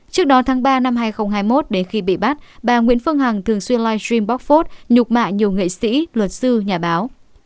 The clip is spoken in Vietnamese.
trước đó tháng ba năm hai nghìn hai mươi một đến khi bị bắt bà nguyễn phương hằng thường xuyên live stream bóc phốt nhục mạ nhiều nghệ sĩ luật sư nhà báo